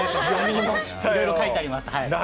いろいろ書いております。